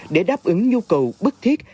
để đáp ứng nhu cầu bất thiết